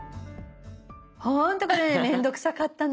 ほんとこれ面倒くさかったの。